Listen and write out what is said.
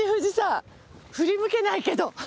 振り向けないけど。